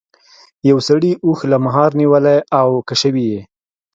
یو سړي اوښ له مهار نیولی او کشوي یې.